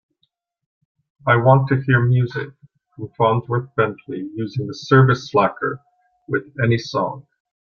I want to hear music from Fonzworth Bentley using the service slacker with any song